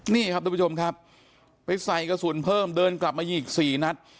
นี่ครับทุกผู้ชมครับไปใส่กระสุนเพิ่มเดินกลับมายิงอีก๔นัด